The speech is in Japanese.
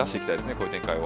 こういう展開を。